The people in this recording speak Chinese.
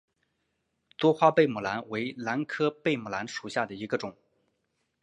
多花贝母兰为兰科贝母兰属下的一个种。